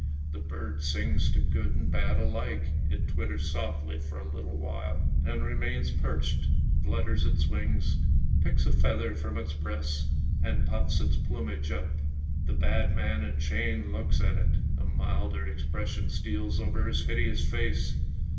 The bird sings to good and bad alike! It twitters softly for a little while, and remains perched, flutters its wings, picks a feather from its breast, and puffs its plumage up. The bad man in chains looks at it, a milder expression steals over his hideous face.